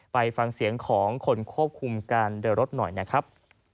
ไปฟังเสียงของคนควบคุมการเดินรถหน่อยนะครับ